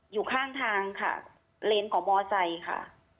อยู่ข้างทางค่ะเลนของมอไซค์ค่ะ